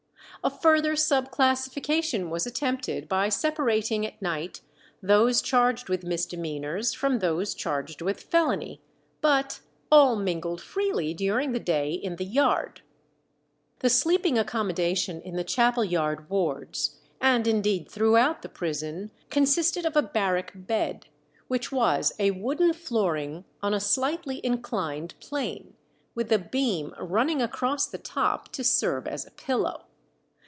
A further sub classification was attempted by separating at night those charged with misdemeanours from those charged with felony, but all mingled freely during the day in the yard. The sleeping accommodation in the chapel yard wards, and indeed throughout the prison, consisted of a barrack bed, which was a wooden flooring on a slightly inclined plane, with a beam running across the top to serve as a pillow.